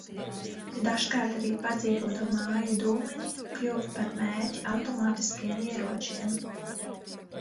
Dažkārt arī padzīvoto māju dūmeņi kļuva par mērķi automātiskiem ieročiem.